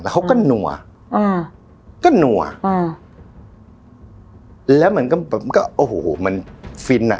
แล้วเขาก็หนัวอืมก็หนัวอืมแล้วเหมือนกันแปบก็โอ้โหมันฟินอ่ะ